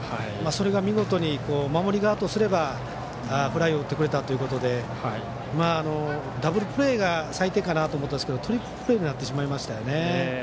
それが見事に、守り側としたらフライを打ってくれたということでダブルプレーが最低かなと思ったらトリプルプレーになってしまいましたよね。